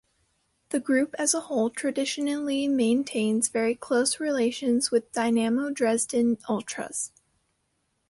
The group as a whole traditionally maintains very close relations with Dynamo Dresden Ultras.